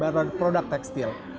barang produk tekstil